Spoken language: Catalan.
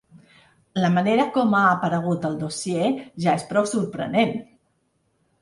La manera com ha aparegut el dossier ja és prou sorprenent.